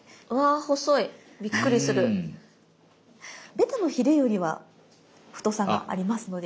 ベタのヒレよりは太さがありますので。